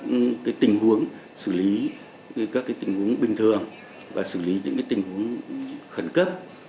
những cái tình huống xử lý các cái tình huống bình thường và xử lý những cái tình huống khẩn cấp